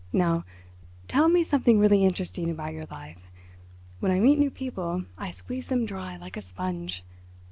Now, tell me something really interesting about your life. When I meet new people I squeeze them dry like a sponge.